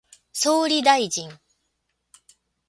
総理大臣